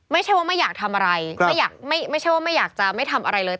ไม่ใช่ว่าไม่อยากทำอะไรไม่อยากไม่ใช่ว่าไม่อยากจะไม่ทำอะไรเลย